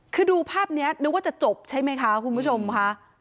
คือดูภาพนี้นึกว่าจะจบใช่ไหมคะคุณผู้ชมค่ะ